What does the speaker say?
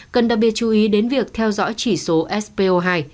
cần đặc biệt chú ý đến việc theo dõi chỉ số spo hai